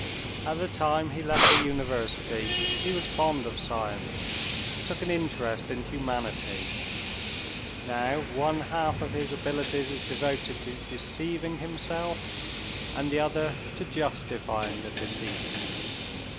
At the time he left the university he was fond of science, took an interest in humanity; now one half of his abilities is devoted to deceiving himself, and the other to justifying the deceit."